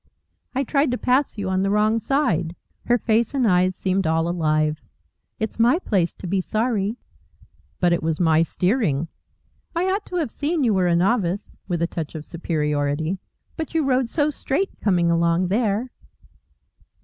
"I tried to pass you on the wrong side." Her face and eyes seemed all alive. "It's my place to be sorry." "But it was my steering " "I ought to have seen you were a Novice" with a touch of superiority. "But you rode so straight coming along there!"